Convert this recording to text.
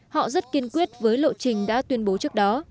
họ rất kiên quyết với lộ trình đã tuyên bố trước đó